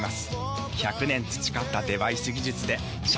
１００年培ったデバイス技術で社会に幸せを作ります。